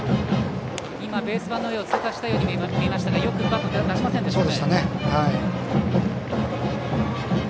ベース板の上を通過したように見えましたがよくバットを出しませんでした。